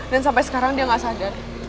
dan sampai sekarang dia gak sadar